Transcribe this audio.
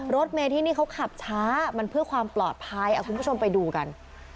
รถเมที่นี่เขาขับช้ามันเพื่อความปลอดภัยคุณผู้ชมไปดูกัน